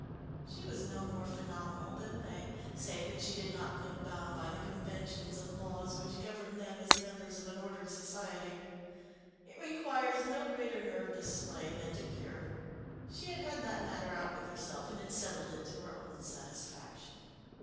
She was no more phenomenal than they, save that she did not feel bound by the conventions and laws which govern them as members of an ordered society. It requires no greater nerve to slay than to cure. She had had that matter out with herself, and had settled it to her own satisfaction.